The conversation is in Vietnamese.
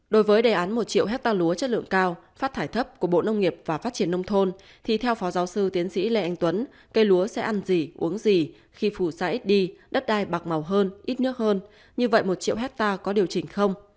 đối với đề án một triệu hectare lúa chất lượng cao phát thải thấp của bộ nông nghiệp và phát triển nông thôn thì theo phó giáo sư tiến sĩ lê anh tuấn cây lúa sẽ ăn gì uống gì khi phù sa ít đi đất đai bạc màu hơn ít nước hơn như vậy một triệu hectare có điều chỉnh không